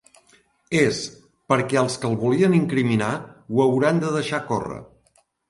És, perquè els que el volien incriminar ho hauran de deixar córrer.